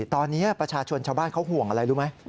ตอนนี้ประชาชนชาวบ้านเขาห่วงอะไรรู้ไหม